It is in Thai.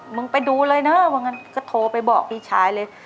มึงไปดูเลยนะว่างั้นก็โทรไปบอกพี่ชายเลย